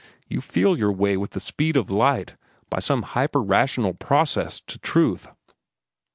You feel your way with the speed of light, by some hyperrational process, to truth."